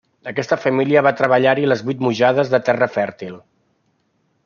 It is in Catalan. Aquesta família va treballar-hi les vuit mujades de terra fèrtil.